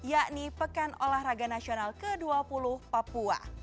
yakni pekan olahraga nasional ke dua puluh papua